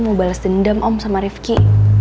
mau balas dendam om sama rifki